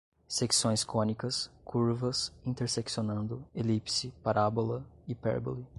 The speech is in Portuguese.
secções cônicas, curvas, interseccionando, elipse, parábola, hipérbole